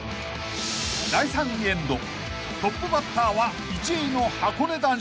［第３エンドトップバッターは１位の］